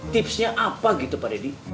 tipsnya apa gitu pak deddy